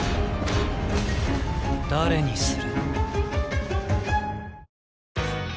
誰にする？